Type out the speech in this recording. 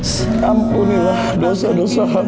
saya puaskan kepada tuhan